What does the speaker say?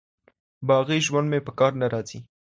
باغي ژوند مي په کار نه راځي